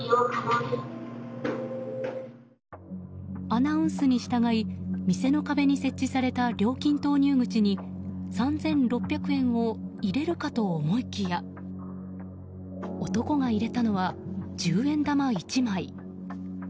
アナウンスに従い店の壁に設置された料金投入口に３６００円を入れるかと思いきや男が入れたのは十円玉１枚。